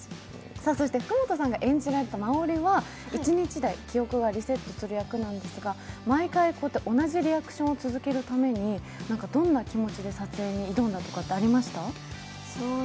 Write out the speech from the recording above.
そして福本さんが演じた真織は、毎回寝るたびに記憶がリセットされるんですが毎回、同じリアクションを続けるために、どんな気持ちで撮影に挑むとかってありました？